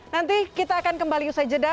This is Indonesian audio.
nanti kita akan kembali usai jeda